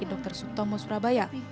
tim dokter suttomo surabaya